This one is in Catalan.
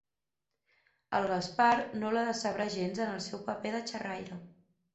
El Gaspar no la decebrà gens en el seu paper de xerraire.